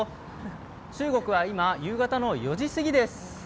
中国は今、夕方の４時すぎです。